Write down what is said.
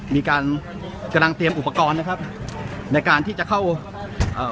มีการกำลังเตรียมอุปกรณ์นะครับในการที่จะเข้าเอ่อ